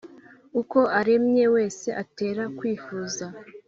uko aremye wese atera kwifuza.